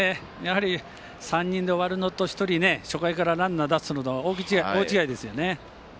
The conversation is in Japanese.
３人で終わるのと１人、初回でランナーを出すのとでは大違いですよね。